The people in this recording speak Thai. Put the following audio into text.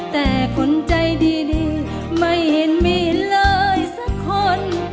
แต่คนใจดีไม่เห็นมีเลยสักคน